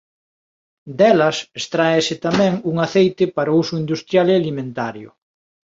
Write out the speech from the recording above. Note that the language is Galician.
Delas extráese tamén un aceite para uso industrial e alimentario.